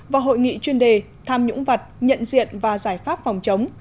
vào hội nghị chuyên đề tham nhũng vật nhận diện và giải pháp phòng chống